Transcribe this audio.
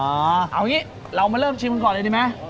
เอาอย่างนี้เรามาเริ่มชิมกันก่อนเลยดีไหม